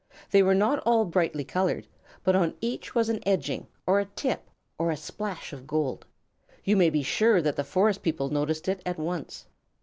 They were not all brightly colored, but on each was an edging, or a tip, or a splash of gold. You may be sure that the Forest People noticed it at once.